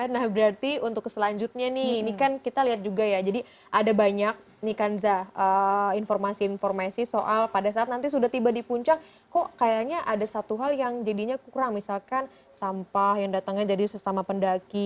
nah berarti untuk selanjutnya nih ini kan kita lihat juga ya jadi ada banyak nih kanza informasi informasi soal pada saat nanti sudah tiba di puncak kok kayaknya ada satu hal yang jadinya kurang misalkan sampah yang datangnya jadi sesama pendaki